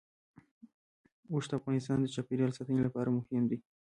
اوښ د افغانستان د چاپیریال ساتنې لپاره مهم دي.